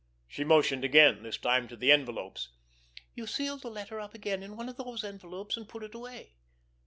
She motioned again—this time to the envelopes. "You sealed the letter up again, in one of those envelopes and put it away.